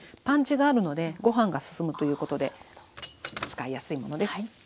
パンチがあるのでごはんが進むということで使いやすいものです。